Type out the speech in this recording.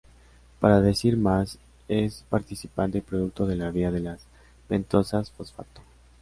Para decir más es participante y producto de la vía de las pentosas fosfato.